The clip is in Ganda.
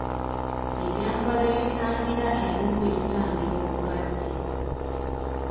Ebyambalo ebitangira ebimu bitutangira obulwadde.